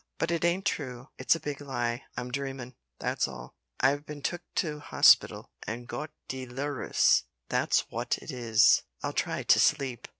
But it ain't true. It's a big lie! I'm dreamin', that's all. I've been took to hospital, an' got d'lirious that's wot it is. I'll try to sleep!"